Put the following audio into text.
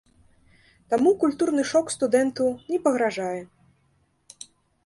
Таму культурны шок студэнту не пагражае.